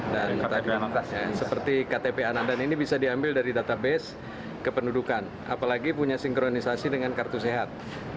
tadi seperti ktp anak dan ini bisa diambil dari database kependudukan apalagi punya sinkronisasi dengan kartu sehat